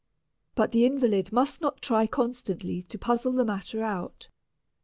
But the invalid must not try constantly to puzzle the matter out.